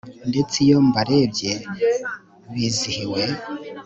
ndetse iyo mbarebye bizihiwe